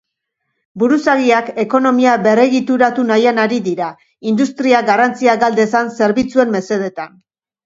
Buruzagiak ekonomia berregituratu nahian ari dira, industriak garrantzia gal dezan zerbitzuen mesedetan.